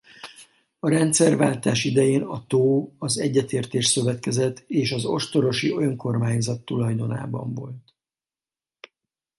A rendszerváltás idején a tó az Egyetértés Szövetkezet és az ostorosi önkormányzat tulajdonában volt.